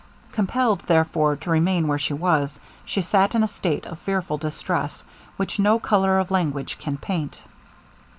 Compelled, therefore, to remain where she was, she sat in a state of fearful distress, which no colour of language can paint.